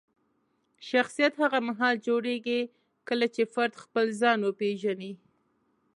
شخصیت هغه مهال جوړېږي کله چې فرد خپل ځان وپیژني.